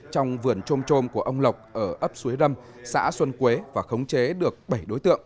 trong vườn trôm trôm của ông lộc ở ấp suối râm xã xuân quế và khống chế được bảy đối tượng